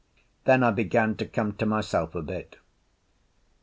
Then I began to come to myself a bit.